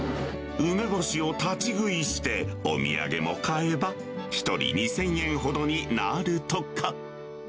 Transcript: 梅干しを立ち食いして、お土産も買えば、１人２０００円ほどになるとか。